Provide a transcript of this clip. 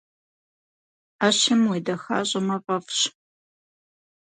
Ӏэщым уедэхащӏэмэ фӏэфӏщ.